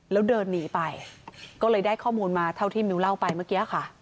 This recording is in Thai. แล้วเดินหนีไปก็เลยได้ข้อมูลมาเท่าที่มิวเล่าไปเมื่อกี้ค่ะ